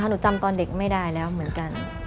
หนูจำตอนเด็กไม่ได้แล้วเหมือนกัน